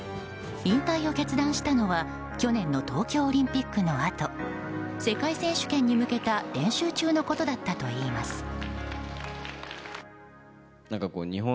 引退を決断したのは去年の東京オリンピックのあと世界選手権に向けた練習中のことだったといいます。